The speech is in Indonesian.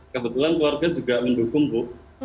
kebetulan keluarga juga mendukung bu